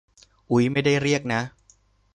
อุ๊ย ไม่ได้เรียกนะ